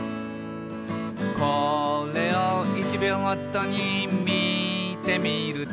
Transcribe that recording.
「これを１秒ごとにみてみると」